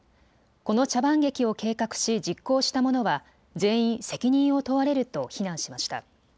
この茶番劇を計画し実行した者は全員責任を問われると非難しました。